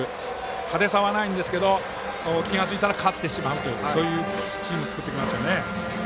派手さはないんですけど気が付いたら勝ってしまうというチームを作ってきますよね。